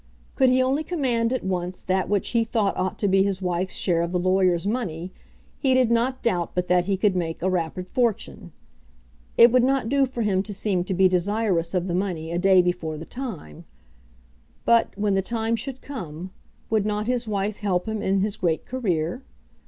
Could he only command at once that which he thought ought to be his wife's share of the lawyer's money, he did not doubt but that he could make a rapid fortune. It would not do for him to seem to be desirous of the money a day before the time; but, when the time should come, would not his wife help him in his great career?